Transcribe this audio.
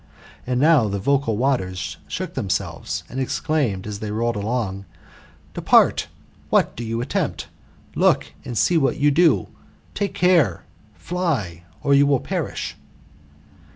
And now the vocal waters shook themselves, and exclaimed as they rolled along, " Depart ; what do you attempt ? Look and see what you do j take care, fly, or you will perish."